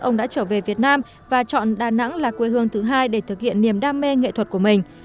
ông đã trở về việt nam và chọn đà nẵng là quê hương thứ hai để thực hiện niềm đam mê nghệ thuật của mình